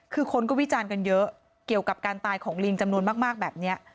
คือคนก็วิจารณ์กันเยอะเกี่ยวกับการตายของลิงจำนวนมากแบบนี้